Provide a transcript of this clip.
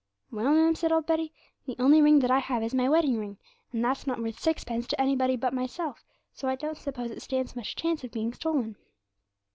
'"Well, ma'am," said old Betty, "the only ring that I have is my wedding ring, and that's not worth sixpence to anybody but myself, so I don't suppose it stands much chance of being stolen."